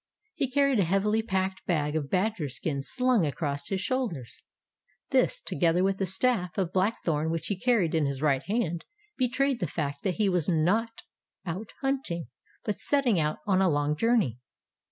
He carried a heavily packed bag of badger skin slung across his shoulders. This, together with the staff of black thorn which he carried in his right hand, betrayed the fact that he was not out hunt ing, but setting out on a long journey.